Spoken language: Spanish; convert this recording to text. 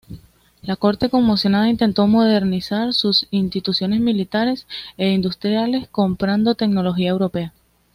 La corte conmocionada intentó modernizar sus instituciones militares e industriales comprando tecnología europea.